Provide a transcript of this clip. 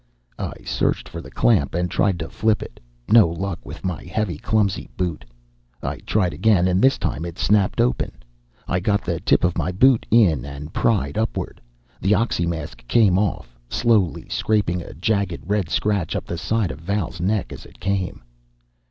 I searched for the clamp and tried to flip it. No luck, with my heavy, clumsy boot. I tried again, and this time it snapped open. I got the tip of my boot in and pried upward. The oxymask came off, slowly, scraping a jagged red scratch up the side of Val's neck as it came.